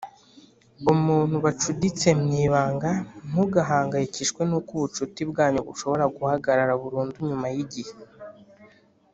Umuntu bacuditse mu ibanga ntugahangayikishwe n uko ubucuti bwanyu bushobora guhagarara burundu nyuma y igihe